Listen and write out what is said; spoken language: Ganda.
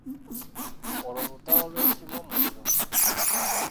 Olwo lutalo lw'ekimomozo.